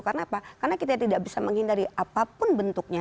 karena apa karena kita tidak bisa menghindari apapun bentuknya